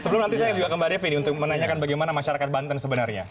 sebelum nanti saya juga ke mbak devi untuk menanyakan bagaimana masyarakat banten sebenarnya